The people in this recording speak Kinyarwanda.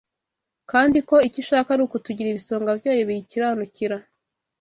kandi ko icyo ishaka ari ukutugira ibisonga byayo biyikiranukira.